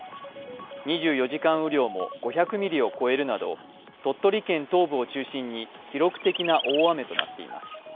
２４時間雨量も５００ミリを超えるなど鳥取県東部を中心に記録的な大雨となっています。